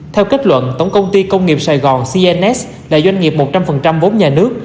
theo kết luận tổng công ty công nghiệp sài gòn cns là doanh nghiệp một trăm linh vốn nhà nước